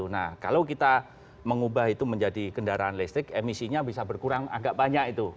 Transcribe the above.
nah kalau kita mengubah itu menjadi kendaraan listrik emisinya bisa berkurang agak banyak itu